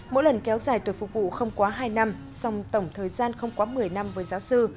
mỗi lần kéo dài tuổi phục vụ không quá hai năm song tổng thời gian không quá một mươi năm với giáo sư